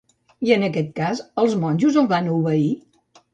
I en aquest cas, els monjos el van obeir?